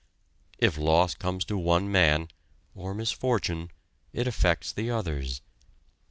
If loss comes to one man, or misfortune, it affects the others.